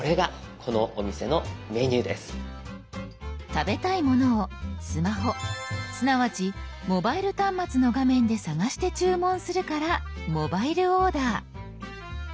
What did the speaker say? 食べたいものをスマホすなわちモバイル端末の画面で探して注文するから「モバイルオーダー」。